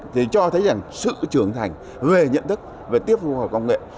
thì cho thấy rằng sự trưởng thành về nhận thức về tiếp thu khoa học công nghệ